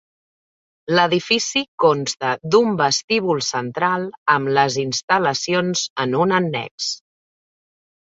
L'edifici consta d'un vestíbul central amb les instal·lacions en un annex.